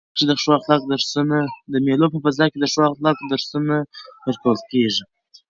د مېلو په فضا کښي د ښو اخلاقو درسونه ورکول کیږي.